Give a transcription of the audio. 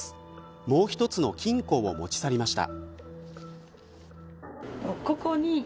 もう一つの金庫を持ち去りました。